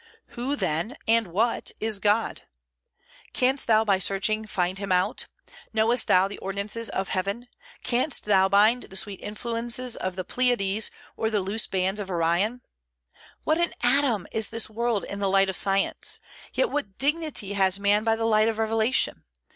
Who, then, and what, is God? "Canst thou by searching find out Him? Knowest thou the ordinances of Heaven? Canst thou bind the sweet influences of the Pleiades, or loose the bands of Orion?" What an atom is this world in the light of science! Yet what dignity has man by the light of revelation!